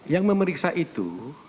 yang memeriksa itu